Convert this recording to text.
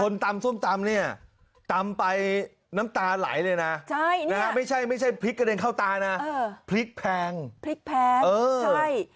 ตำส้มตำเนี่ยตำไปน้ำตาไหลเลยนะไม่ใช่ไม่ใช่พริกกระเด็นเข้าตานะพริกแพงพริกแพงเออใช่